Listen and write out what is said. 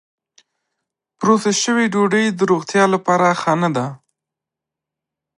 پروسس شوې ډوډۍ د روغتیا لپاره ښه نه ده.